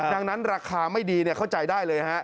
ดังนั้นราคาไม่ดีเข้าใจได้เลยฮะ